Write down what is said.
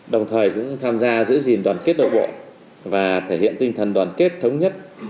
đồng thời cũng tham gia giữ gìn đoàn kết nội bộ và thể hiện tinh thần đoàn kết thống nhất